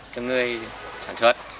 cho người sản xuất